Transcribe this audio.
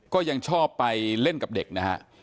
ก็ยังชอบไปเล่นกับเด็กนะฮะ